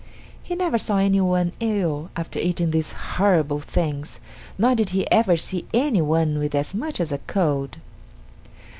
He never saw anyone ill after eating these horrible things, nor did he ever see anyone with as much as a cold.